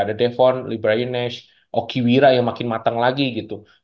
ada devon libra inej okiwira yang makin matang lagi gitu